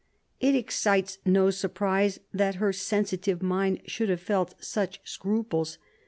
It excites no surprise that her sensitive mind should have felt such scruples.